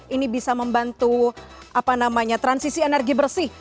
ini bisa membantu apa namanya transisi energi bersih